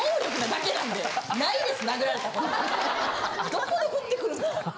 どこで振ってくるんですか。